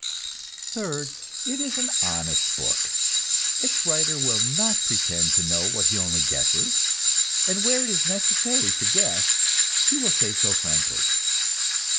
Third, it is an honest book; its writer will not pretend to know what he only guesses, and where it is necessary to guess, he will say so frankly.